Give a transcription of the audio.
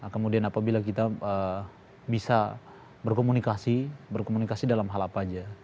kemudian apabila kita bisa berkomunikasi berkomunikasi dalam hal apa saja